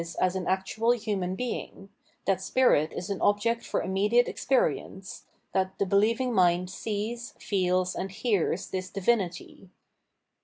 as an actual human being, that spirit is an object for immediate experience, that the believing mind sees, feeU, arid hears this divinity.